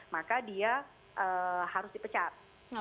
maka dia harus dipecat